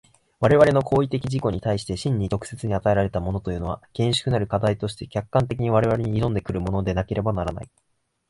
我々の行為的自己に対して真に直接に与えられたものというのは、厳粛なる課題として客観的に我々に臨んで来るものでなければならない。